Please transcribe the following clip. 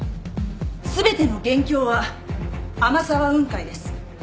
全ての元凶は天沢雲海です。